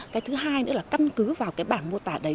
cái thứ hai nữa là căn cứ vào cái bảng mô tả đấy